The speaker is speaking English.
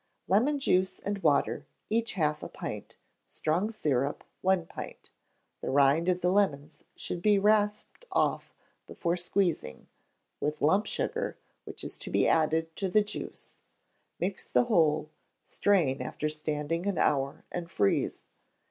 Lemon juice and water, each half a pint; strong syrup, one pint: the rind of the lemons should be rasped off, before squeezing, with lump sugar, which is to be added to the juice; mix the whole; strain after standing an hour, and freeze.